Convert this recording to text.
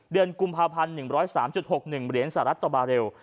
เดือนกลุ่มภาพันธ์๑๐๓๖๑เมริเวณสารรัฐตบาลเร็ว